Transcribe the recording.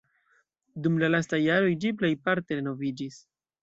Dum la lastaj jaroj ĝi plejparte renoviĝis.